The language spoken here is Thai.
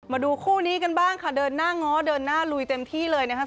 มาดูคู่นี้กันบ้างค่ะเดินหน้าง้อเดินหน้าลุยเต็มที่เลยนะครับ